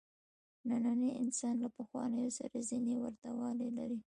نننی انسان له پخوانیو سره ځینې ورته والي لري.